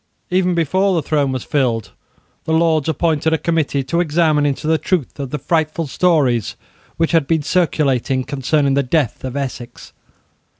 Even before the throne was filled, the Lords appointed a committee to examine into the truth of the frightful stories which had been circulated concerning the death of Essex.